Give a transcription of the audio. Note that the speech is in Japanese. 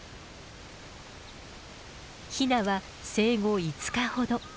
ヒナは生後５日ほど。